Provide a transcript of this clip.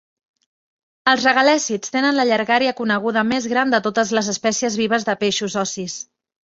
Els regalècids tenen la llargària coneguda més gran de totes les espècies vives de peixos ossis.